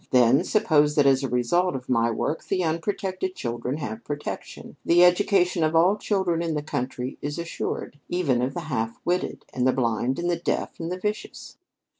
Then, suppose that, as a result of my work, the unprotected children have protection; the education of all the children in the country is assured even of the half witted, and the blind and the deaf and the vicious.